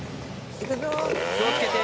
気をつけて。